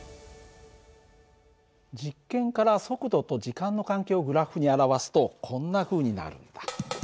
実験から速度と時間の関係をグラフに表すとこんなふうになるんだ。